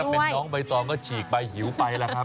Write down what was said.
เป็นน้องใบตองก็ฉีกไปหิวไปแล้วครับ